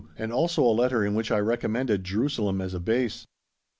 and also a letter in which I recommended Jerusalem as a base.